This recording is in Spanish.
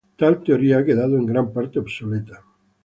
Tal teoría ha quedado en gran parte obsoleta.